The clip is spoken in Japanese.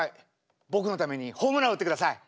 僕のためにホームラン打ってください。